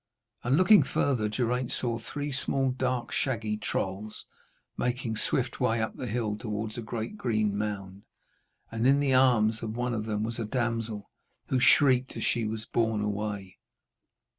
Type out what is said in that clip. And looking further Geraint saw three small dark shaggy trolls making swift way up the hill towards a great green mound, and in the arms of one of them was a damsel, who shrieked as she was borne away.